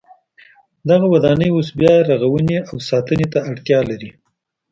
دغه ودانۍ اوس بیا رغونې او ساتنې ته اړتیا لري.